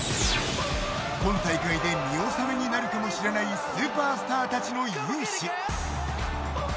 今大会で見納めになるかもしれないスーパースターたちの雄姿。